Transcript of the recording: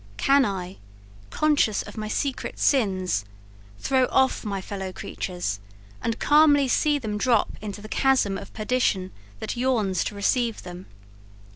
Can I, conscious of my secret sins, throw off my fellow creatures, and calmly see them drop into the chasm of perdition, that yawns to receive them.